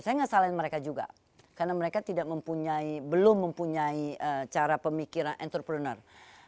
saya ngesalin mereka juga karena mereka belum mempunyai cara pemikiran entrepreneur